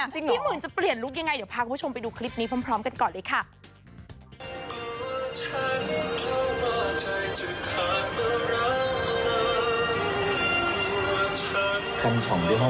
พี่หมื่นจะเปลี่ยนลุคยังไงเดี๋ยวพาคุณผู้ชมไปดูคลิปนี้พร้อมกันก่อนเลยค่ะ